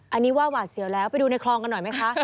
อันนี้ว่าหวาดเสียวแล้วไปดูในคลองกันหน่อยไหมคะ